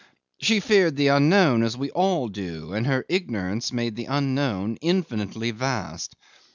She feared the unknown as we all do, and her ignorance made the unknown infinitely vast.